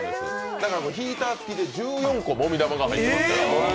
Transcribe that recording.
だからヒーターつきで１４個もみ玉がついてますから。